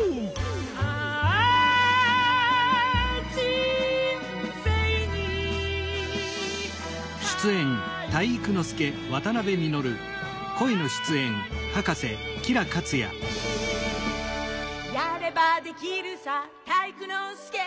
「あぁ、人生に体育あり」「やればできるさ体育ノ介」